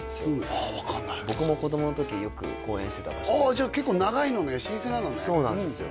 ああ分かんない僕も子供の時よく公演してた場所でじゃあ結構長いのね老舗なのねそうなんですよ